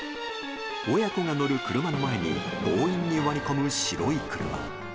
親子が乗る車の前に強引に割り込む白い車。